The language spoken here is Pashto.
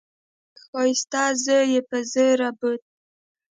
د هغه ښايسته زوى يې په زوره بوت.